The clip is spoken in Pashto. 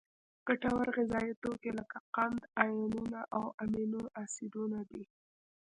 ګټور غذایي توکي لکه قند، آیونونه او امینو اسیدونه دي.